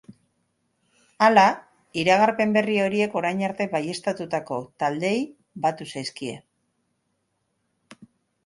Hala, iragarpen berri horiek orain arte baieztatutako taldeei batu zaizkie.